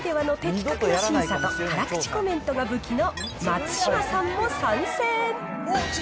主婦ならではの的確な審査と、辛口コメントが武器の松嶋さんも参戦。